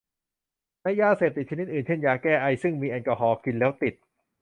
ในยาเสพติดชนิดอื่น เช่นยาแก้ไอ ซึ่งมีแอลกอฮอล์ กินแล้วติด